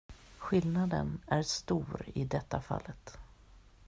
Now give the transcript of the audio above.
Skillnaden är stor i detta fallet.